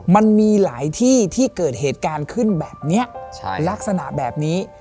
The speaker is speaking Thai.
มันมีหลายที่ที่เกิดเหตุการณ์ขึ้นแบบนี้ลักษณะแบบนี้